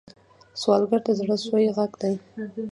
سوالګر د زړه سوې غږ دی